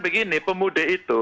begini pemudik itu